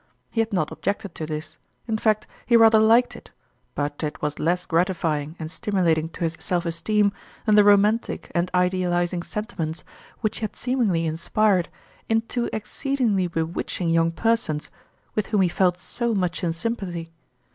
lie had not ob jected to this, in fact he rather liked it, but it was less gratifying and stimulating to his self esteem than the romantic and idealizing sentiments which he had seemingly inspired in two exceedingly bewitching young persons with whom he felt so much in sympathy.